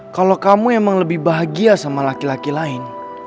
kalau kamu memang lebih bahagia sama laki laki lain